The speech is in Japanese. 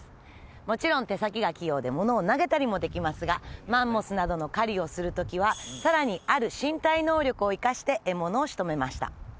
もちろん手先が器用でものを投げたりもできますがマンモスなどの狩りをする時はさらにある身体能力を生かして獲物を仕留めました